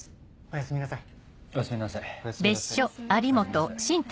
おやすみなさい。